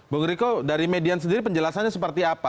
bu griko dari median sendiri penjelasannya seperti apa